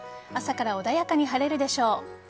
朝から穏やかに晴れるでしょう。